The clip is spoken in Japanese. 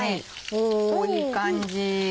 おいい感じ。